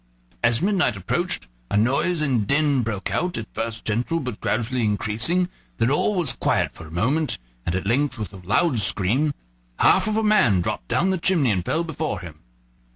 As midnight approached, a noise and din broke out, at first gentle, but gradually increasing; then all was quiet for a minute, and at length, with a loud scream, half of a man dropped down the chimney and fell before him.